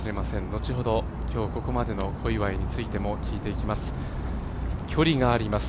後ほど、今日ここまでの小祝についても聞いていきます。